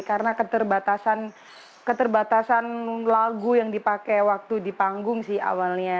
karena keterbatasan lagu yang dipakai waktu di panggung sih awalnya